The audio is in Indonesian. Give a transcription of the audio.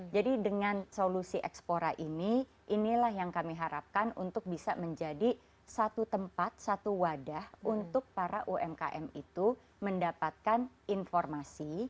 jadi dengan solusi ekspora ini inilah yang kami harapkan untuk bisa menjadi satu tempat satu wadah untuk para umkm itu mendapatkan informasi